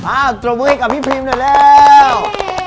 อ่าตรงมึงให้กับพี่พรีมได้แล้ว